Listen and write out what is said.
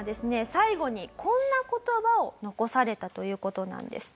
最後にこんな言葉を残されたという事なんです。